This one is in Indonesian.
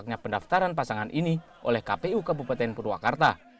kepala kpu kabupaten purwakarta